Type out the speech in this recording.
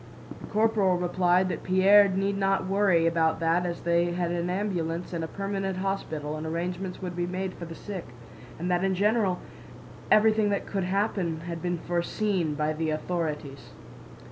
The corporal replied that Pierre need not worry about that as they had an ambulance and a permanent hospital and arrangements would be made for the sick, and that in general everything that could happen had been foreseen by the authorities.